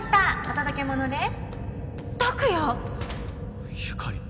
お届け物です。